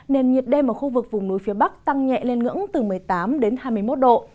nền nhiệt đêm ở khu vực vùng núi phía bắc tăng nhẹ lên ngưỡng từ một mươi tám đến hai mươi một độ